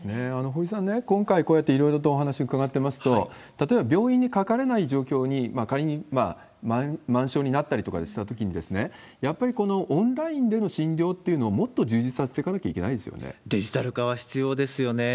掘さん、今回こうやっていろいろお話を伺ってますと、例えば病院にかかれない状況に、仮に満床になったりとかしたときに、やっぱりこのオンラインでの診療っていうのをもっと充実させていデジタル化は必要ですよね。